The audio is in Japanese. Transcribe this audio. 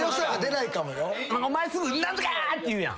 お前すぐ「何とか！」って言うやん。